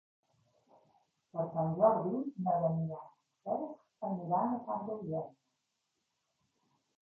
Per Sant Jordi na Damià i en Cesc aniran a Santa Eugènia.